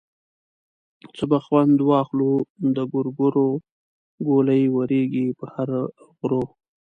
څه به خوند واخلو د ګورګورو ګولۍ ورېږي په هر غرو.